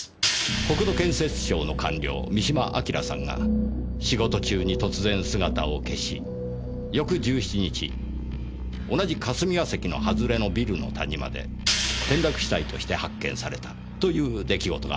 国土建設省の官僚三島章さんが仕事中に突然姿を消し翌１７日同じ霞ヶ関の外れのビルの谷間で転落死体として発見されたという出来事がありました。